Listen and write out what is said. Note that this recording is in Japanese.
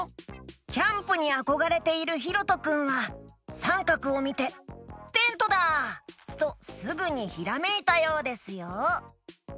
キャンプにあこがれているひろとくんはさんかくをみて「テントだ！」とすぐにひらめいたようですよ。